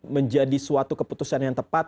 menjadi suatu keputusan yang tepat